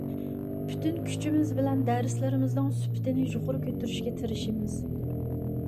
پۈتۈن كۈچىمىز بىلەن دەرسلىرىمىزنىڭ سۈپىتىنى يۇقىرى كۆتۈرۈشكە تىرىشىمىز.